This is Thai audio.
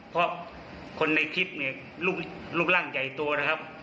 เพราะในคลิปลุกภัณฑ์ใหญ่โตนะครับ